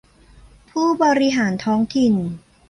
ผู้บริหารท้องถิ่น